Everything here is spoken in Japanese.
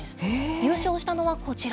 優勝したのはこちら。